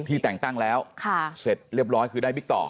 แต่งตั้งแล้วเสร็จเรียบร้อยคือได้บิ๊กต่อ